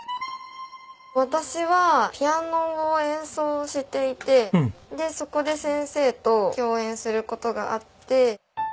私はピアノの演奏をしていてそこで先生と共演する事があって。